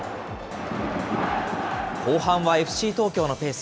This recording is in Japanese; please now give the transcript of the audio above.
後半はＦＣ東京のペース。